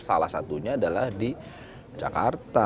salah satunya adalah di jakarta